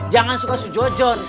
jangan suka su jojon